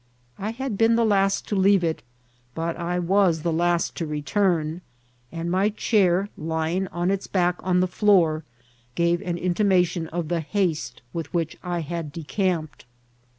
I had been the last to leave it, but I was the last to return ; and my chair lying with its back on the floor, gave an intimation of the haste with which I had decamped.